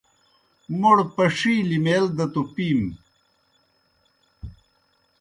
موْڑ پݜِیلیْ میل دہ توْ پِیم۔